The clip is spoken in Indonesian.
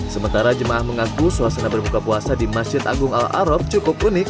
sementara jemaah mengaku suasana berbuka puasa di masjid agung al araf cukup unik